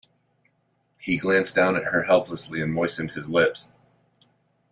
He glanced down at her helplessly, and moistened his lips.